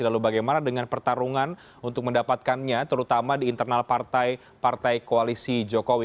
lalu bagaimana dengan pertarungan untuk mendapatkannya terutama di internal partai partai koalisi jokowi